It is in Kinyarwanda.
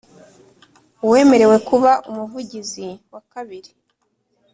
Uwemerewe kuba Umuvugizi wa Kabiri